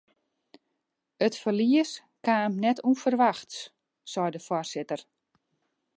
It ferlies kaam net ûnferwachts, seit de foarsitter.